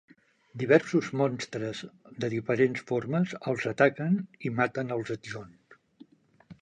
Diversos monstres de diferents formes els ataquen i maten els adjunts.